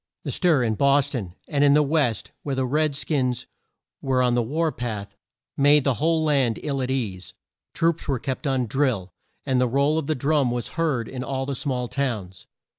The stir in Bos ton, and in the West where the red skins were on the war path, made the whole land ill at ease. Troops were kept on drill, and the roll of the drum was heard in all the small towns.